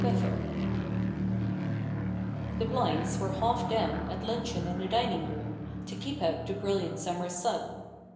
CHAPTER II The blinds were half down at luncheon in the dining room, to keep out the brilliant summer sun.